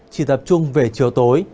chỉ tập trung về chiều tối